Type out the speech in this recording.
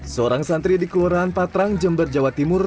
seorang santri di kelurahan patrang jember jawa timur